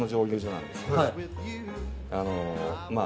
あのまあ